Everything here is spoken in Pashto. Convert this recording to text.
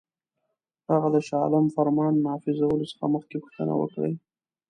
هغه د شاه عالم فرمان نافذولو څخه مخکي پوښتنه وکړي.